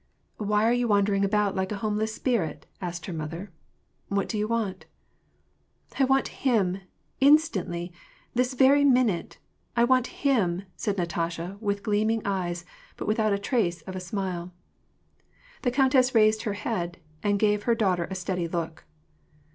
" Why are you wandering about like a homeless spirit ?" asked her mother. " What do you want ?"" I want hiniy instantly ! this very minute ! I want Am," said Natasha, with gleaming eyes, but without a trace of a smile. The countess raised her head and gave her daughter a steady look.